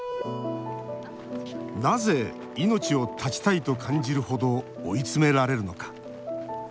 なぜ、命を絶ちたいと感じるほど追い詰められるのか。